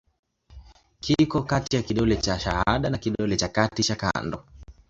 Kiko kati ya kidole cha shahada na kidole cha kati cha kando.